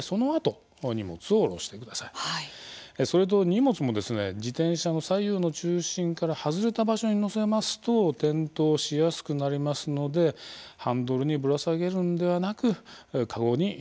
それと荷物も自転車の左右の中心から外れた場所に載せますと転倒しやすくなりますのでハンドルにぶら下げるんではなく籠に入れるようにしてください。